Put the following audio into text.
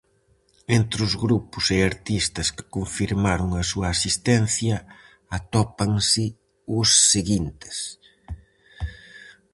Entre os grupos e artistas que confirmaron a súa asistencia atópanse os seguintes.